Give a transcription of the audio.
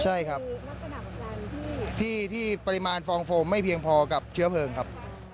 ใช่ครับลักษณะที่ปริมาณฟองโฟมไม่เพียงพอกับเชื้อเพลิงครับ